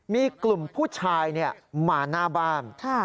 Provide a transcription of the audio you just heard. มีกลุ่มผู้ชายมาหน้าบ้าน